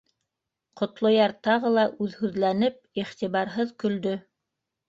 Ҡотлояр, тағы ла үҙһүҙләнеп, иғтибарһыҙ көлдө: